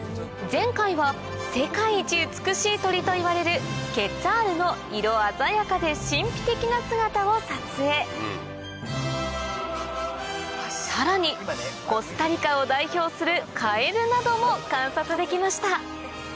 前回は世界一美しい鳥といわれるケツァールの色鮮やかで神秘的な姿を撮影さらにコスタリカを代表するカエルなども観察できました